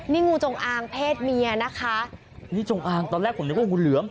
นี่งูจงอางเพศเมียนะคะนี่จงอางตอนแรกผมนึกว่างูเหลือม